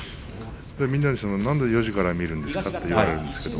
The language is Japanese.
みんなになぜ４時から見るんですかと言われるんです。